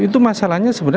itu masalahnya sebenarnya